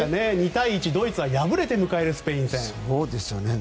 ２対１、ドイツが敗れて迎えるスペイン戦。